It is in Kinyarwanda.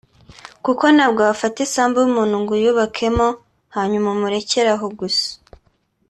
kuko ntwabwo wafata isambu y’umuntu ngo uyubakemo hanyuma umurekere aho gusa